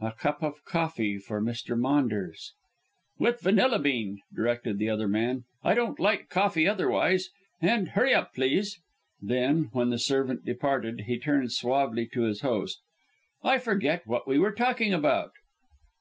"A cup of coffee for Mr. Maunders." "With a vanilla bean," directed the other man. "I don't like coffee otherwise. And hurry up, please!" Then, when the servant departed, he turned suavely to his host. "I forget what we were talking about."